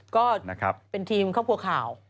ก็เป็นทีมครอบครัวข่าว